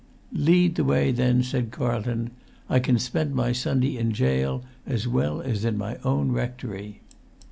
"Lead the way, then," said Carlton. "I can spend my Sunday in gaol as well as in my own rectory."